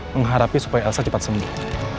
mengharapi supaya elsa cepat sembuh